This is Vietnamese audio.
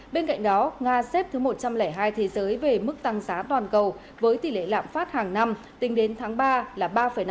bên cạnh đó nga xếp thứ một trăm linh hai thế giới về mức tăng giá toàn cầu với tỷ lệ lạm phát hàng năm tính đến tháng ba là ba năm